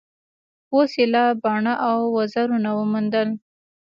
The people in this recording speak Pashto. اوس ایله باڼه او وزرونه وموندل.